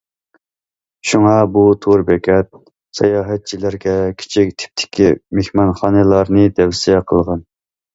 شۇڭا بۇ تور بېكەت ساياھەتچىلەرگە كىچىك تىپتىكى مېھمانخانىلارنى تەۋسىيە قىلغان.